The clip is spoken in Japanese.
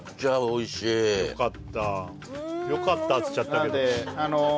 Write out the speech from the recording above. よかった「よかった」っつっちゃったけどうん！